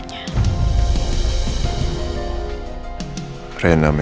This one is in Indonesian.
karena rena juga mau selalu bersama sama dengan pak aldebaran